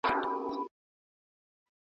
پوهه ژوند ته مانا ورکوي.